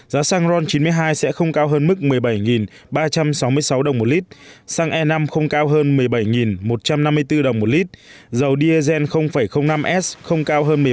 giá xăng ron chín mươi hai sẽ không cao hơn mức một mươi bảy ba trăm sáu mươi sáu đồng một lít xăng e năm không cao hơn một mươi bảy một trăm năm mươi bốn đồng một lít dầu diazen năm s không cao hơn một mươi ba bốn trăm tám mươi năm đồng một lít dầu hỏa không cao hơn một mươi hai một trăm một mươi tám đồng một lít